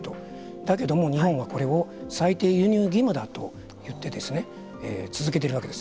だけども日本はこれを最低輸入義務だといってですね続けているわけです。